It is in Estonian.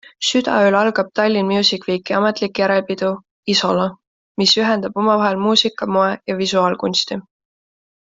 Südaööl algab Tallinn Music Weeki ametlik järelpidu ISOLA, mis ühendab omavahel muusika, moe ja visuaalkunsti.